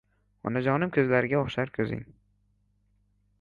Onajonim ko‘zlariga o‘xshar ko‘zing.